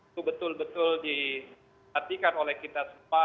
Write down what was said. itu betul betul dihatikan oleh kita semua